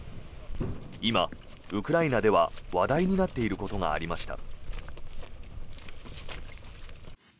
今、ウクライナでは話題になっていることがありました。